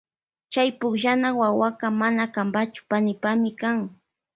Chay pukllana wawaka mana kanpachu panipami kan.